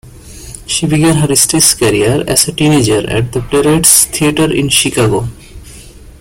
She began her stage career as a teenager at the Playwrights Theatre in Chicago.